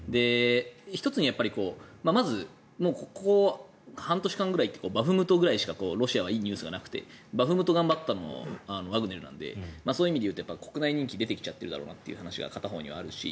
１つにはまず、ここ半年間くらいバフムトくらいしかロシアはいいニュースがなくてバフムトを頑張ったのもワグネルなのでそういう意味では国内人気が出てきちゃっているだろうなという話が片方にはあるだろうし。